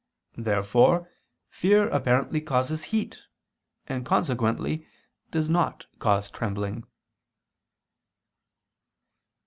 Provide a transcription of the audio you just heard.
Therefore fear apparently causes heat; and consequently does not cause trembling.